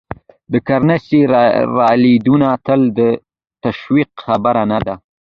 د کرنسۍ رالوېدنه تل د تشویش خبره نه ده.